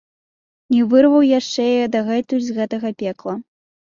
Не вырваў яшчэ яе дагэтуль з гэтага пекла.